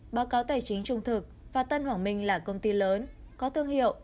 báo cáo tài chính trung thực và tân hoàng minh là công ty lớn có thương hiệu